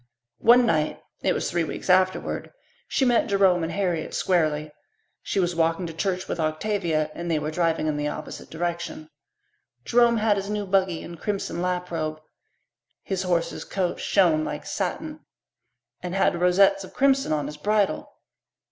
One night it was three weeks afterward she met Jerome and Harriet squarely. She was walking to church with Octavia, and they were driving in the opposite direction. Jerome had his new buggy and crimson lap robe. His horse's coat shone like satin and had rosettes of crimson on his bridle.